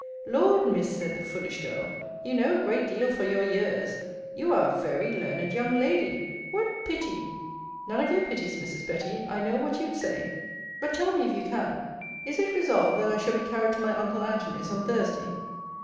Lord, Miss, said the foolish girl, you know a great deal for your years. You are a very learned young lady! What pity None of your pitties, Mrs. Betty, I know what you'd say. But tell me, if you can, Is it resolved that I shall be carried to my uncle Antony's on Thursday?